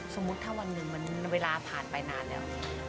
สมมุติถ้าวันหนึ่งมันเวลาผ่านไปนานแล้ว